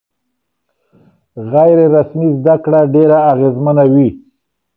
غیر رسمي زده کړه ډېره اغېزمنه وي.